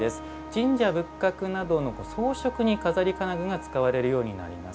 神社仏閣などの装飾に錺金具が使われるようになります。